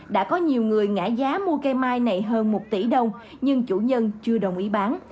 đã có nhiều người ngã giá mua cây mai này hơn một tỷ đồng nhưng chủ nhân chưa đồng ý bán